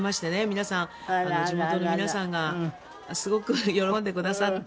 皆さん地元の皆さんがすごく喜んでくださって。